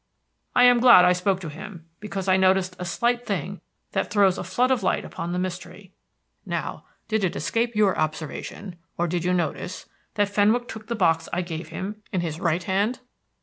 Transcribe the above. I am glad I spoke to him, because I noticed a slight thing that throws a flood of light upon the mystery. Now, did it escape your observation, or did you notice that Fenwick took the box I gave him in his right hand?"